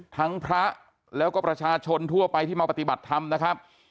ทั้งพระแล้วก็ประชาชนทั่วไปที่มาปฏิบัติธรรมนะครับ